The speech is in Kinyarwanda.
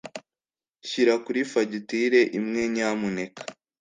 Shyira kuri fagitire imwe, nyamuneka.